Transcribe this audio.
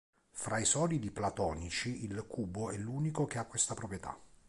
Fra i solidi platonici, il cubo è l'unico che ha questa proprietà.